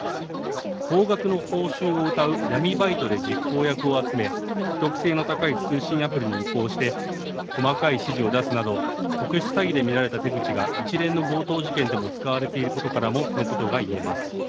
高額の報酬をうたう闇バイトで実行役を集め、秘匿性の高い通信アプリに移行して、細かい指示を出すなど、特殊詐欺で見られた手口が一連の強盗事件でも使われていることからも、そのことが言えます。